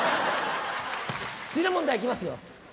次の問題いきますよ。